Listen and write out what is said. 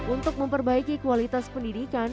untuk memperbaiki kualitas pendidikan